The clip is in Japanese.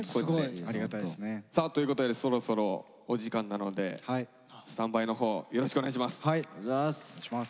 ありがたいですね。ということでそろそろお時間なのでスタンバイのほうよろしくお願いします。